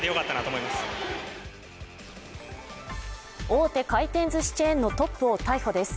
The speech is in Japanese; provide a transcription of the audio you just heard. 大手回転ずしチェーンのトップを逮捕です。